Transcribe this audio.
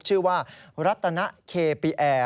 ชื่อว่ารัตนเคปิแอร์